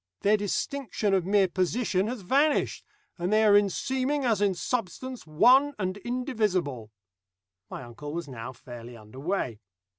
Their distinction of mere position has vanished, and they are in seeming as in substance one and indivisible." My uncle was now fairly under way.